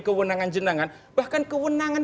kewenangan jenengan bahkan kewenangan